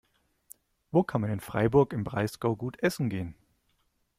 Wo kann man in Freiburg im Breisgau gut essen gehen?